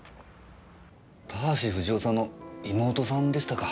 田橋不二夫さんの妹さんでしたか。